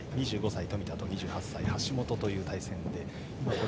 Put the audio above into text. ２５歳、冨田と２８歳、橋本という対戦です。